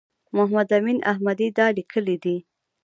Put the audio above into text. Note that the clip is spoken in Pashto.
محمد امین احمدي دا لیکلي دي.